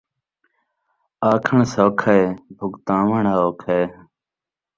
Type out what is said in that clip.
آکھݨ سوکھے بھڳتاوݨ اوکھے